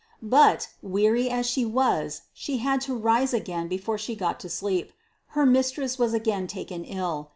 But, weary as she was, she had to rise again before she got to sleep. Her mistress was again taken ill.